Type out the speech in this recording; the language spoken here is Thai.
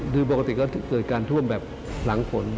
คือปกติก็เกิดการท่วมแบบหลังฝน